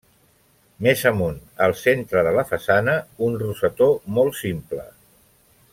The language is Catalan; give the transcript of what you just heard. Més amunt, al centre de la façana, un rosetó molt simple.